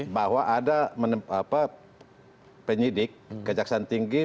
bahwa ada penyidik kejaksaan tinggi